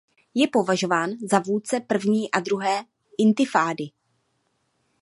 Je považován za vůdce První a Druhé intifády.